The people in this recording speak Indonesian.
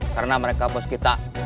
karena mereka bos kita